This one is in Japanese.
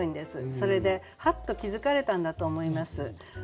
それではっと気付かれたんだと思います。